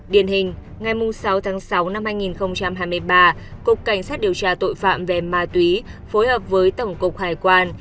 điển hình ngày sáu tháng sáu năm hai nghìn hai mươi ba cục cảnh sát điều tra tội phạm về ma túy phối hợp với tổng cục hải quan